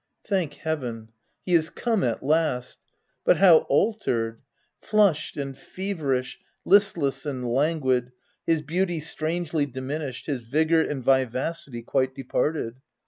Thank heaven, he is come at last ! But how altered !— flushed and feverish, listless and languid, his beauty strangely diminished, his vigour and vivacity quite departed.